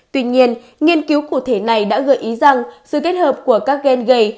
tuy nhiên nghiên cứu cụ thể này đã gợi ý rằng sự kết hợp của các gen gầy